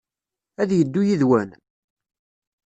Ad yeddu yid-wen?